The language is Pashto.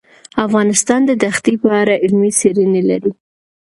افغانستان د دښتې په اړه علمي څېړنې لري.